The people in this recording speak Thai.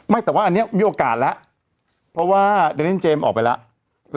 ไม่แต่ว่าอันนี้มีโอกาสแล้วเพราะว่าเดิมอย่างมิแสนเจมส์ออกไปแล้ว